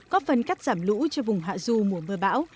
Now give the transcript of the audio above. góp phần cắt giảm lũ cho vùng hạ du mùa mưa bão